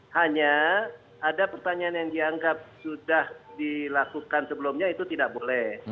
hanya ada pertanyaan yang dianggap sudah dilakukan sebelumnya itu tidak boleh